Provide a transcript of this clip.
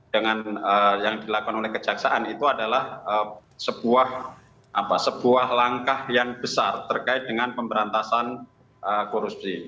dengan yang dilakukan oleh kejaksaan itu adalah sebuah langkah yang besar terkait dengan pemberantasan korupsi